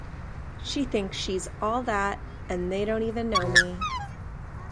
She thinks she's all that' and they didn't even know me.